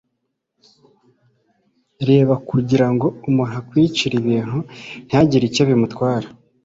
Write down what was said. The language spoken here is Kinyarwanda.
Reba kugirango umuntu akwicire ibintu ntihagire icyo bimutwara